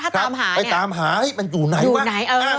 ถ้าตามหาเนี่ยไปตามหามันอยู่ไหนวะ